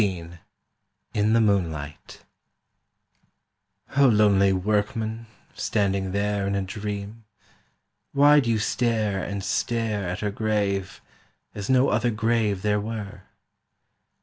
XV IN THE MOONLIGHT "O LONELY workman, standing there In a dream, why do you stare and stare At her grave, as no other grave there were?